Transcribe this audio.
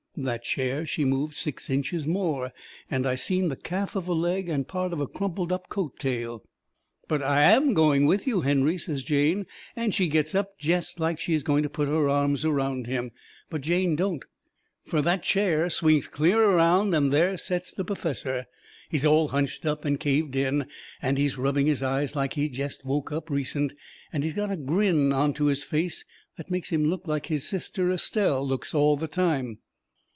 That chair, she moved six inches more and I seen the calf of a leg and part of a crumpled up coat tail. "But I AM going with you, Henry," says Jane. And she gets up jest like she is going to put her arms around him. But Jane don't. Fur that chair swings clear around and there sets the perfessor. He's all hunched up and caved in and he's rubbing his eyes like he's jest woke up recent, and he's got a grin onto his face that makes him look like his sister Estelle looks all the time.